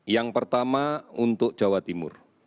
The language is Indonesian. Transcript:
yang pertama untuk jawa timur